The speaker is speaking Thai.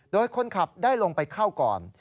โดยคนขับได้ลงไปเข้าก่อน